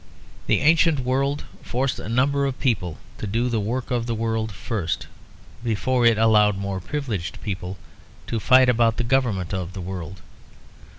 The ancient world forced a number of people to do the work of the world first, before it allowed more privileged people to fight about the government of the world.